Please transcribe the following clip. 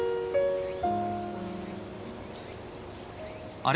あれ？